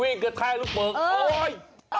นี่วิ่งกระแท่ลูกเปลืองโอ๊ย